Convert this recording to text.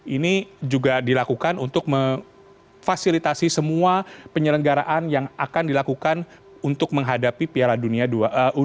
ini juga dilakukan untuk memfasilitasi semua penyelenggaraan yang akan dilakukan untuk menghadapi piala dunia u dua puluh